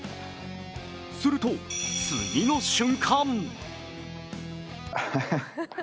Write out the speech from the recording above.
すると次の瞬間。